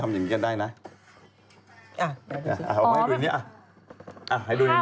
อ๋อภาพมันซ้อนกันค่ะ